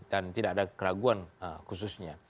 dan tidak ada keraguan khususnya